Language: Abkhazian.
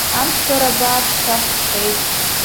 Амцҳәара бааԥс сахәхеит.